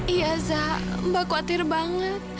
iya mbak kuatir banget